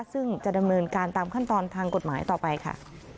ซึ่งจะดำเนินการตามขั้นตอนทางกฎหมายต่อไปค่ะ